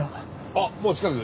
あっもう近く？